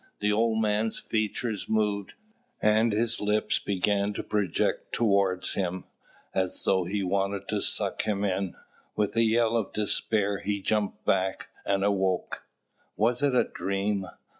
The old man's features moved, and his lips began to project towards him, as though he wanted to suck him in. With a yell of despair he jumped back and awoke. "Was it a dream?"